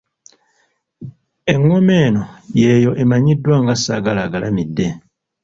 Engoma eno y'eyo emanyiddwa nga Saagalaagalamidde.